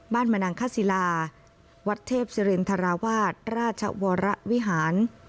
มนังคศิลาวัดเทพศิรินทราวาสราชวรวิหาร